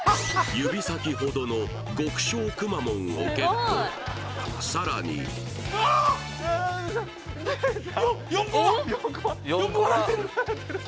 指先ほどの極小くまモンをゲットさらにあっ！